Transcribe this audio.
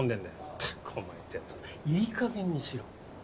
ったくお前って奴はいい加減にしろ。